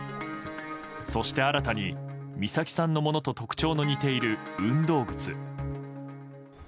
そして新たに美咲さんのものと特徴の似ている運動靴。